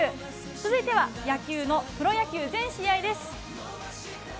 続いては野球のプロ野球全試合です。